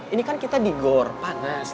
ini kan kita di gor panas